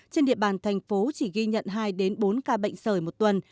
trên địa bàn thành phố chỉ ghi nhận hai đến bốn ca bệnh sởi một tuần